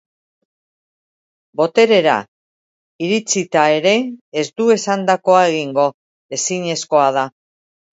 Boterera iritsita ere ez du esandakoa egingo. Ezinezkoa da.